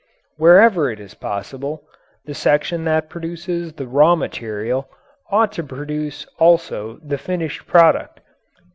Wherever it is possible, the section that produces the raw material ought to produce also the finished product.